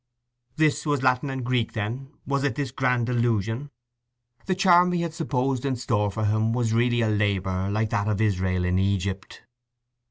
This was Latin and Greek, then, was it this grand delusion! The charm he had supposed in store for him was really a labour like that of Israel in Egypt.